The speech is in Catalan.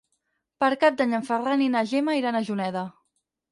Per Cap d'Any en Ferran i na Gemma iran a Juneda.